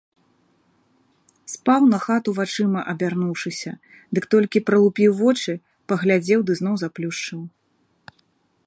Спаў на хату вачыма абярнуўшыся, дык толькі пралупіў вочы, паглядзеў ды зноў заплюшчыў.